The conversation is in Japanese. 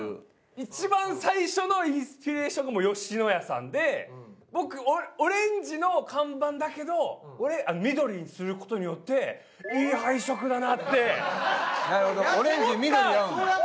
一番最初のインスピレーションがもう野家さんで僕オレンジの看板だけど緑にする事によっていい配色だなって思った覚えがあるんですよ。